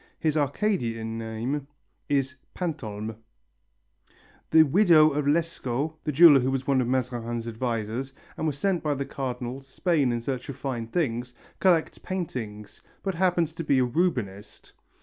His Arcadian name is Pantolme. The widow of Lescot the jeweller who was one of Mazarin's advisers and was sent by the Cardinal to Spain in search of fine things collects paintings, but happens to be a Rubenist.